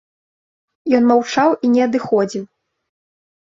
Ён маўчаў і не адыходзіў.